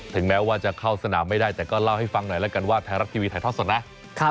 แม้ว่าจะเข้าสนามไม่ได้แต่ก็เล่าให้ฟังหน่อยแล้วกันว่าไทยรัฐทีวีถ่ายทอดสดนะ